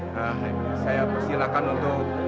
nah saya persilahkan untuk